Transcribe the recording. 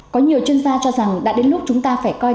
có nhiều chuyên gia cho rằng đã đến lúc chúng ta phải coi